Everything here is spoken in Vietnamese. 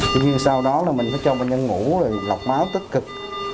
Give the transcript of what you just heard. tuy nhiên sau đó là mình phải cho bệnh nhân ngủ rồi lọc máu tích cực